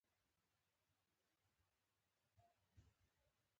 ډېر جادوګران خولې بندوي.